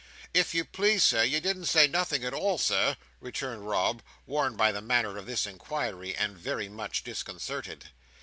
"If you please, Sir, you didn't say nothing at all, Sir," returned Rob, warned by the manner of this inquiry, and very much disconcerted.